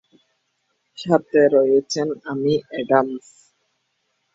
সাথে রয়েছেন Amy Adams.